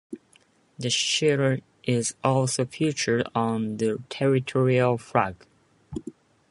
The shield is also featured on the territorial flag.